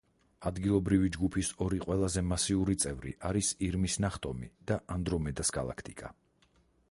ადგილობრივი ჯგუფის ორი ყველაზე მასიური წევრი არის „ირმის ნახტომი“ და ანდრომედას გალაქტიკა.